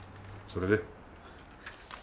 それで？